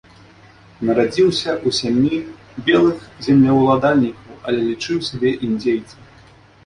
Нарадзіўся ў сям'і белых землеўладальнікаў, але лічыў сябе індзейцам.